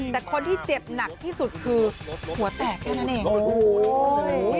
แต่คนที่เจ็บหนักที่สุดคือหัวแตกแค่นั้นเองโอ้โห